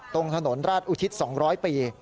ตรงถนนราชอุทิศ๒๐๐ปี